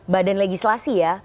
badan legislasi ya